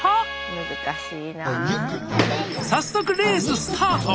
早速レーススタート